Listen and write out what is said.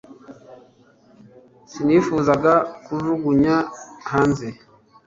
sinifuzaga kujugunya hanze